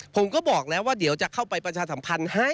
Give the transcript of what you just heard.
ผมก็บอกแล้วว่าเดี๋ยวจะเข้าไปประชาสัมพันธ์ให้